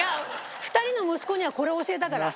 ２人の息子にはこれを教えたから。